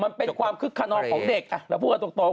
มันเป็นความขึ้นฆานอบของเด็ก